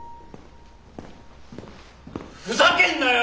ふざけんなよ！